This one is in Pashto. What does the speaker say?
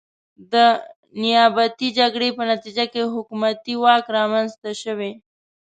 د نیابتي جګړې په نتیجه کې حکومتي واک رامنځته شوی.